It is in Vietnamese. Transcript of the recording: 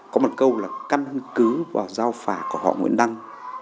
có một câu là căn cứ vào giao phả của họ nguyễn đăng